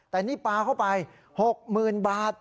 แต่นี่ปลาเข้าไป๖หมื่นบาท